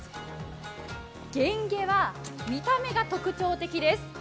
ゲンゲは見た目が特徴的です。